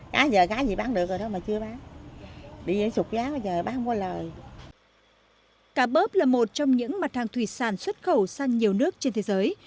cá bớp là một trong những mặt hàng thủy sản xuất khẩu sang nhiều nước trên thế giới